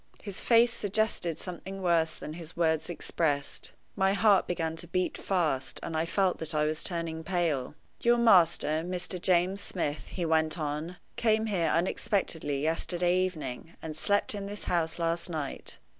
His face suggested something worse than his words expressed. My heart began to beat fast, and I felt that I was turning pale. "Your master, Mr. James Smith," he went on, "came here unexpectedly yesterday evening, and slept in this house last night.